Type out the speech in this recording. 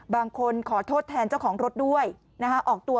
บางคนขอโทษแทนเจ้าของรถด้วยออกตัว